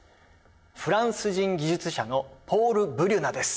フランス人技術者のポール・ブリュナです。